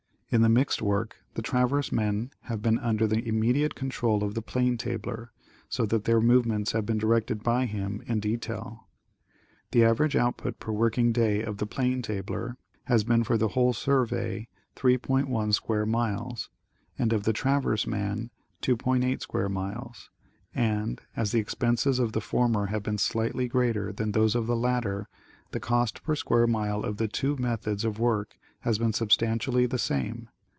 In the mixed work the traverse men have been under the immediate control of the plane tabler, so that their movements have been directed by him in de tail. The average output per working day of the plane tabler has been for the whole survey 3,1 sq. miles, and of the traverse man 2.8 sq. miles, and, as the expenses of the former have been slightly greater than those of the latter, the cost per square mile of the two methods of work has been substantially the same.